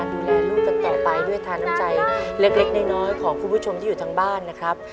ดูแลลูกกันต่อไปด้วยทาน้ำใจเล็กน้อยของคุณผู้ชมที่อยู่ทางบ้านนะครับ